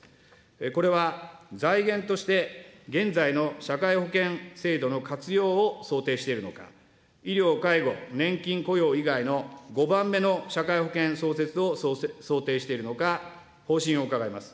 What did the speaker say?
これは、財源として、現在の社会保険制度の活用を想定しているのか、医療、介護、年金、雇用以外の５番目の社会保険創設を想定しているのか、方針を伺います。